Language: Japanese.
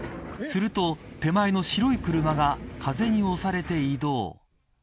すると、前の白い車が風に押されて移動。